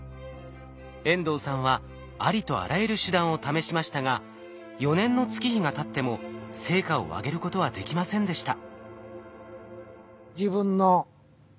遠藤さんはありとあらゆる手段を試しましたが４年の月日がたっても成果を上げることはできませんでした。